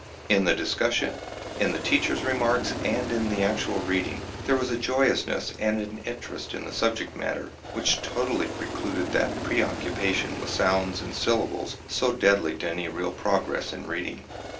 In the discussion, in the teachers' remarks, and in the actual reading, there was a joyousness and an interest in the subject matter which totally precluded that preoccupation with sounds and syllables so deadly to any real progress in reading.